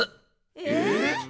え！？